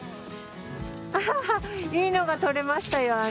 アハハいいのが撮れましたよ